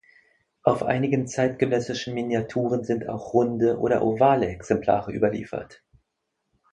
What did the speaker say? Auf einigen zeitgenössischen Miniaturen sind auch runde oder ovale Exemplare überliefert.